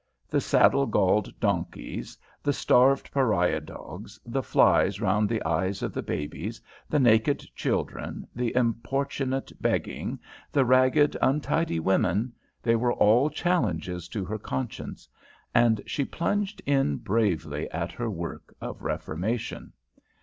The saddle galled donkeys, the starved pariah dogs, the flies round the eyes of the babies, the naked children, the importunate begging, the ragged, untidy women, they were all challenges to her conscience, and she plunged in bravely at her work of reformation.